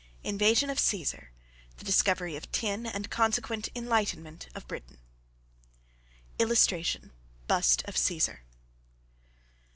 INVASION OF CAESAR: THE DISCOVERY OF TIN AND CONSEQUENT ENLIGHTENMENT OF BRITAIN. [Illustration: BUST OF CAESAR.